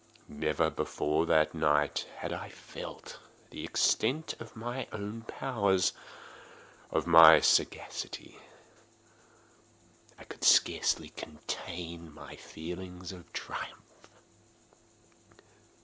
Never before that night had I felt the extent of my own powers—of my sagacity. I could scarcely contain my feelings of triumph.